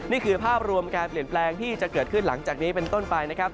นี่คือภาพรวมการเปลี่ยนแปลงที่จะเกิดขึ้นหลังจากนี้เป็นต้นไปนะครับ